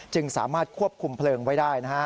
จึงสามารถควบคุมเพลิงไว้ได้